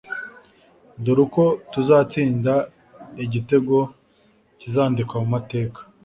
Dore uko tuzatsinda igitego kizandikwa mu mateka .